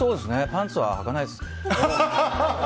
パンツははかないです。